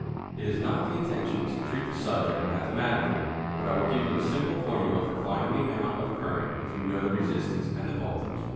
It is not the intention to treat the subject mathematically, but I will give you a simple formula for finding the amount of current if you know the resistance and the voltage.